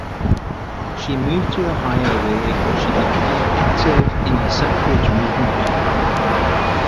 She moved to Ohio where she became active in the suffrage movement there.